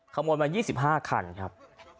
ขโมยมา๒๕คันครับ